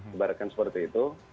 sebarakan seperti itu